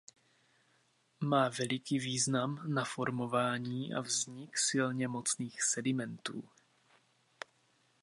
Má veliký význam na formování a vznik silně mocných sedimentů.